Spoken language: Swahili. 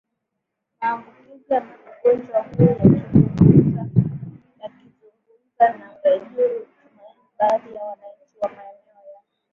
maambukizi ya ugonjwa huo WakizungumzaWakizungumza na Redio Tumaini baadhi ya wananchi wa maeneo ya